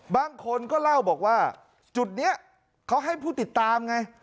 บางคนก็เล่าบอกว่าจุดนี้เขาให้ผู้ติดตามไง